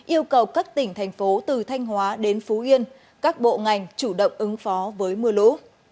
yêu cầu các tỉnh thành phố từ thanh hóa đến phú yên các bộ ngành chủ động ứng phó với mưa lũ